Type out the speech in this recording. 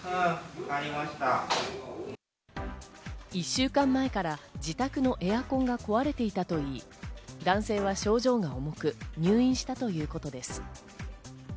１週間前から自宅のエアコンが壊れていたといい、男性は症状が重く、入院したということです。